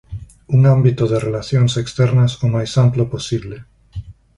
Un ámbito de relacións externas o máis amplo posible.